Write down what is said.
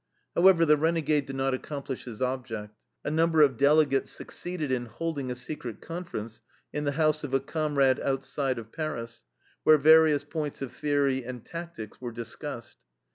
However, the renegade did not accomplish his object. A number of delegates succeeded in holding a secret conference in the house of a comrade outside of Paris, where various points of theory and tactics were discussed.